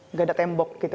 nggak ada tembok gitu